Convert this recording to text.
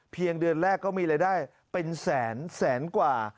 เดือนแรกก็มีรายได้เป็นแสนแสนกว่า